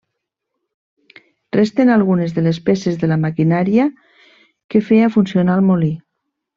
Resten algunes de les peces de la maquinària que feia funcionar el molí.